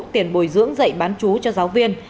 tiền bồi dưỡng dạy bán chú cho giáo viên